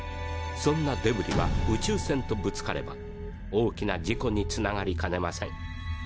そんなデブリは宇宙船とぶつかれば大きな事故につながりかねません。